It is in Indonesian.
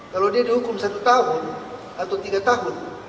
kalau dia dihukum satu tahun atau tiga tahun